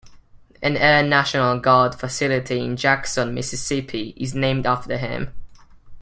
An Air National Guard facility in Jackson, Mississippi is named after him.